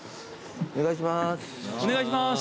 お願いします。